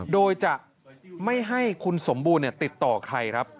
โดยจะไม่ให้คุณสมบูรณ์ติดต่อใครครับ